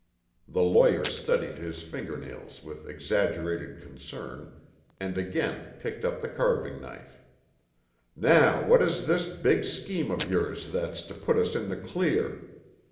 The lawyer studied his fingernails with exaggerated concern, and again picked up the carving knife. "Now what is this big scheme of yours that's to put us in the clear?